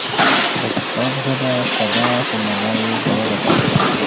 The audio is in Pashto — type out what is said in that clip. د کتاب ژبه ساده خو مانا یې ژوره ده.